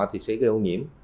để kiểm tra cái ô nhiễm